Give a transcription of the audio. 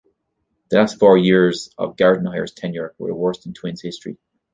The last four years of Gardenhire's tenure were the worst in Twins history.